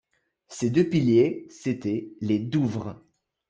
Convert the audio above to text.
Ces deux piliers, c’étaient les Douvres.